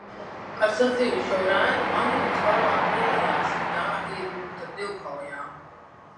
Ar sadzijušo rētu Anūts vēlāk lielījās, ka tā iegūta divkaujā.